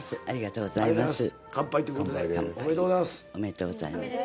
ありがとうございます。